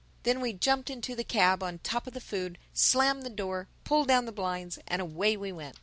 Then we jumped into the cab on top of the food, slammed the door, pulled down the blinds and away we went.